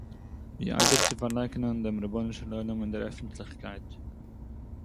ווי איידער צו פאַרלייקענען דעם רבונו של עולם אין דער עפנטליכקייט